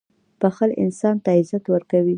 • بښل انسان ته عزت ورکوي.